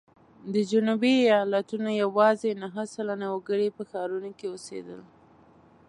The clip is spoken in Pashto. د جنوبي ایالتونو یوازې نهه سلنه وګړي په ښارونو کې اوسېدل.